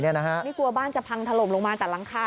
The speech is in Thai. ไม่กลัวบ้านจะพังถลบลงมาจากหลังคา